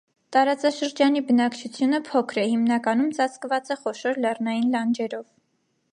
Տարածաշրջանի բնակչությունը փոքր է, հիմնականում ծածկված է խոշոր լեռնային լանջերով։